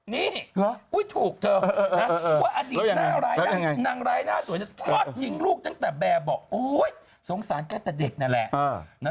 นี้นี่ถูกเธอว่าอดีตนางร้ายน่ะพอดยิงลูกจนแต่แบบบอกโอ้สงสารแก่แต่เด็กนั่นแหละ